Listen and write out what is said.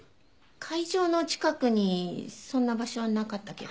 会場の近くにそんな場所はなかったけど。